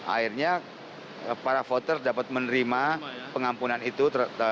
akhirnya para voter dapat menerima pengampunan itu